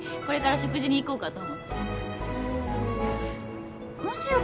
これから食事に行こうかと思って。